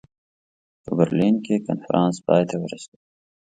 په برلین کې کنفرانس پای ته ورسېد.